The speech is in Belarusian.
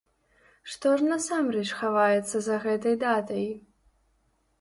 Што ж насамрэч хаваецца за гэтай датай?